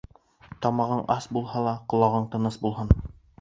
Тамағың ас булһа ла, ҡолағың тыныс булһын.